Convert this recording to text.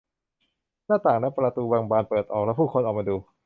หน้าต่างและประตูบางบานเปิดออกและผู้คนออกมาดู